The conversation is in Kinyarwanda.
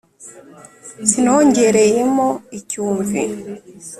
Sinongereyemo icyumvi